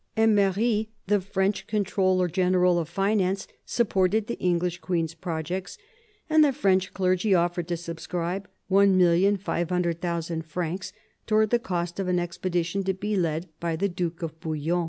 Emery, the French controller general of finance, supported the English queen's projects, and the French clergy offered to subscribe 1,500,000 francs towards the cost of an expedition to be led by the Duke of Bouillon.